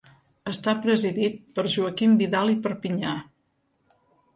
Està presidit per Joaquim Vidal i Perpinyà.